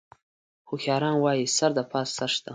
هوښیاران وایي: سر د پاسه سر شته.